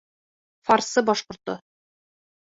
Фарсы башҡорто.